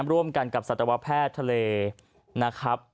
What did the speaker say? ร่วมกันกับสัตวแพทย์ทะเลนะครับ